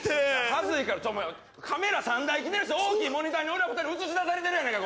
はずいから、カメラ３台来てるし大きいモニターに俺ら２人映し出されてるやん。